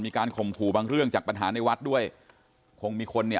ข่มขู่บางเรื่องจากปัญหาในวัดด้วยคงมีคนเนี่ย